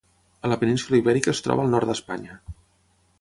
A la península Ibèrica es troba al nord d'Espanya.